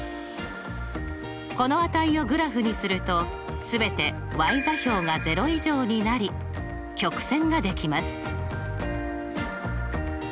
この値をグラフにすると全て座標が０以上になり曲線ができます。